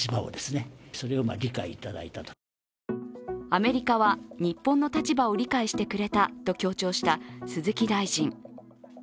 アメリカは、日本の立場を理解してくれたと強調した鈴木大臣。